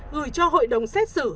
gửi cho hội đồng xét xử